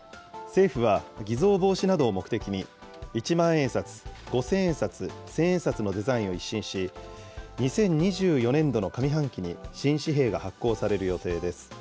政府は偽造防止などを目的に、一万円札、五千円札、千円札のデザインを一新し、２０２４年度の上半期に新紙幣が発行される予定です。